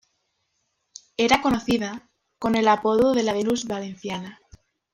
Era conocida con el apodo de "la Venus valenciana".